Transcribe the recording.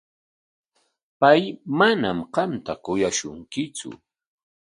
Pay manam qamta kuyashunkitsu.